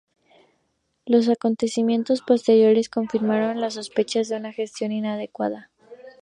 Los acontecimientos posteriores confirmaron las sospechas de una gestión inadecuada.